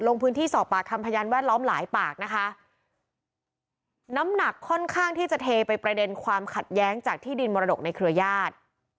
ลงพื้นที่สอบปากคำพยานแวดล้อมหลายปากนะคะน้ำหนักค่อนข้างที่จะเทไปประเด็นความขัดแย้งจากที่ดินมรดกในเครือญาติ